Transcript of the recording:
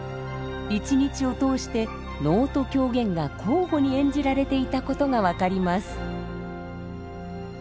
一日を通して能と狂言が交互に演じられていたことが分かります。